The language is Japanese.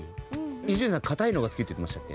伊集院さん硬いのが好きって言ってましたっけ？